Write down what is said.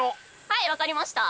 はいわかりました。